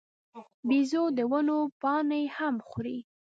بیزو د ونو پاڼې هم خوري.